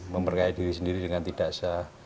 memperkaya diri sendiri dengan tidak sah